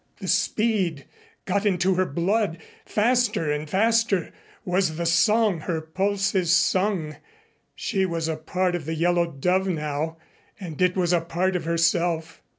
The speed got into her blood. Faster, faster, was the song her pulses sung. She was a part of the Yellow Dove now, and it was a part of herself.